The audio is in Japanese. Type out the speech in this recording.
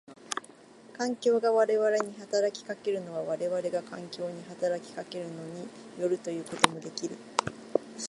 環境が我々に働きかけるのは我々が環境に働きかけるのに依るということもできる。